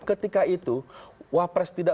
ketika itu wapres tidak